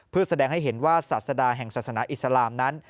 เพื่อแสดงให้เห็นว่าศาสดาแห่งศาสนาอิสลามนั้น